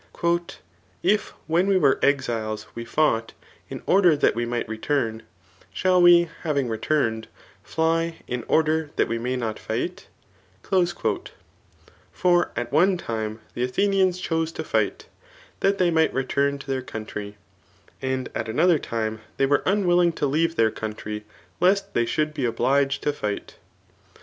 If when we were exiles we fought, in order that we might return^ shall we, having returned, fly, in order that we may not * fight i*^ Eor at one time the Athenians chose to fight, that they might return to their country, and at another time they were unwilling to leave their country lest they should be obliged to fight.